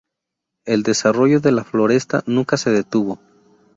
El desarrollo de La Floresta nunca se detuvo.